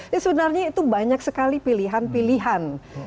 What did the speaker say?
ya sebenarnya itu banyak sekali pilihan pilihan